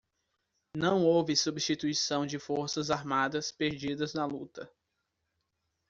Não houve substituição de forças armadas perdidas na luta.